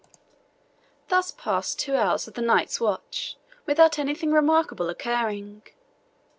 Thus passed two hours of the knight's watch without anything remarkable occurring.